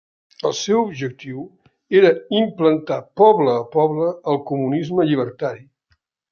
El seu objectiu era implantar poble a poble el comunisme llibertari.